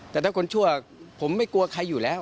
แต่ถ้าคนชั่วผมไม่กลัวใครอยู่แล้ว